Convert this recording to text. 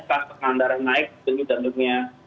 kekangan darah naik dunia dunia